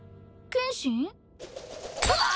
剣心！